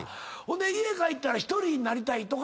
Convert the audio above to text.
家帰ったら１人になりたいとかは。